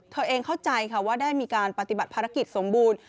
เธอเองเข้าใจค่ะว่าได้มีการปฏิบัติภารกิจสมบูรณ์